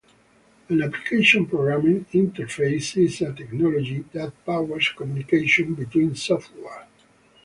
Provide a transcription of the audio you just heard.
An Application Programming Interface is a technology that powers communication between software.